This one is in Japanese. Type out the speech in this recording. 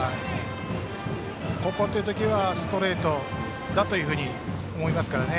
ここっていうときはストレートだというふうに思いますからね。